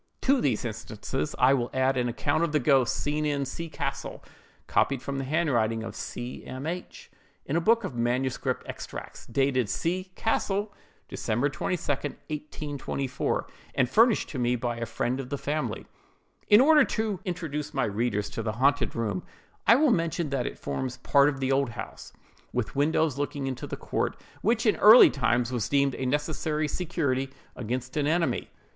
To these instances I will add an account of the ghost seen in C—— castle, copied from the handwriting of C—— M—— H—— in a book of manuscript extracts, dated C—— castle, December 22, 1824, and furnished to me by a friend of the family:— "In order to introduce my readers to the haunted room, I will mention that it forms part of the old house, with windows looking into the court, which in early times was deemed a necessary security against an enemy.